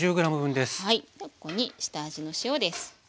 ここに下味の塩です。